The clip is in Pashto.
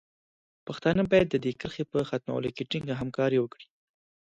پښتانه باید د دې کرښې په ختمولو کې ټینګه همکاري وکړي.